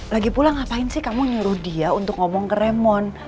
lagi pulang ngapain sih kamu nyuruh dia untuk ngomong ke remon